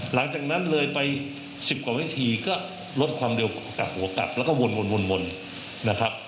หลังจากนั้นเลยไป๑๐กว่าวิธีก็ลดความเร็วกลับหัวกลับแล้วก็วนนะครับ